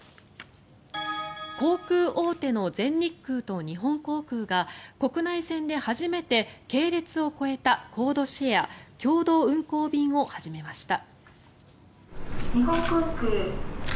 航空大手の全日空と日本航空が国内線で初めて系列を超えたコードシェア共同運航便を始めました。